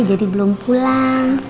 jadi belum pulang